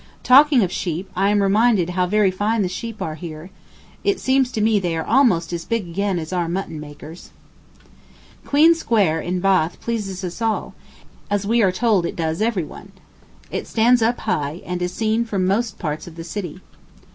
Talking of sheep, I am reminded how very fine the sheep are here; it seems to me they are almost as big again as our mutton makers. Queen Square, in Bath, pleases us all, as we are told it does every one. It stands up high, and is seen from most parts of the city.